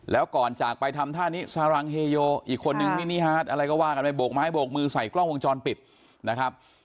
แล้วก่อนจากไปทำท่านี้อีกคนนึงอะไรก็ว่ากันเลยโบกไม้โบกมือใส่กล้องวงจรปิดนะครับ